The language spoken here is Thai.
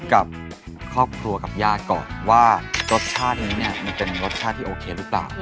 กับครอบครัวกับญาติก่อนว่ารสชาตินี้เนี่ยมันเป็นรสชาติที่โอเคหรือเปล่า